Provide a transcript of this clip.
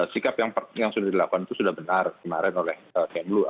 sikap yang sudah dilakukan itu sudah benar kemarin oleh kmlu